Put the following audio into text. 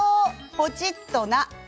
ポチっとな。